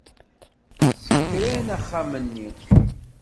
Ssekran axxam-nni.